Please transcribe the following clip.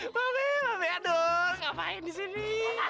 mbak peh mbak peh aduh ngapain di sini